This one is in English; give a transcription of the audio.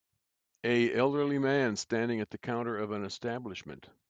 A elderly man standing at the counter of an establishment.